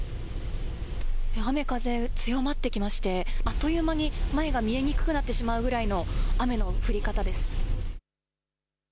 雨風強まってきましてあっという間に前が見えにくくなってしまうくらいの雨の降り方です。